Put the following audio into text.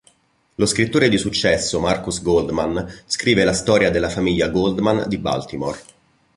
Lo scrittore di successo Marcus Goldman scrive la storia della famiglia Goldman di Baltimore.